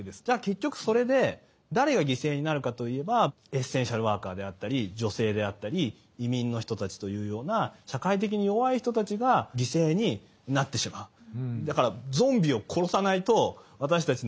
じゃあ結局それで誰が犠牲になるかといえばエッセンシャルワーカーであったり女性であったり移民の人たちというような社会的に弱い人たちが犠牲になってしまう。